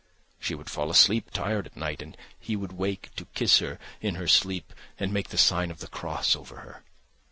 She would fall asleep tired at night, and he would wake to kiss her in her sleep and make the sign of the cross over her.